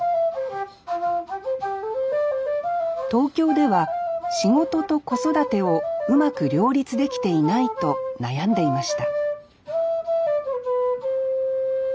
東京では仕事と子育てをうまく両立できていないと悩んでいました